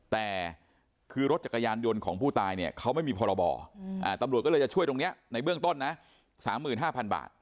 แต่คือรถจักรยานยนต์ของผู้ตายเนี่ยเขาไม่มีพรบตำรวจก็เลยจะช่วยตรงนี้ในเบื้องต้นนะ๓๕๐๐บาท